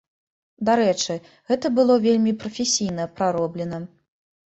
Дарэчы, гэта было вельмі прафесійна прароблена.